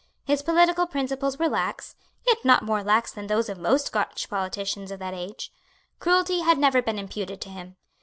His political principles were lax, yet not more lax than those of most Scotch politicians of that age. Cruelty had never been imputed to him.